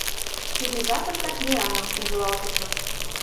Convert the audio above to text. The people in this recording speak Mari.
Тиде жапыштак мераҥым ужылалтышым.